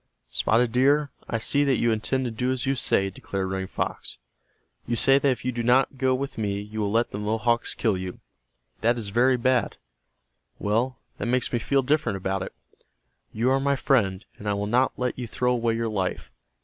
"Spotted Deer, I see that you intend to do as you say," declared Running Fox. "You say that if you do not go with me you will let the Mohawks kill you. That is very bad. Well, that makes me feel different about it. You are my friend, and I will not let you throw away your life.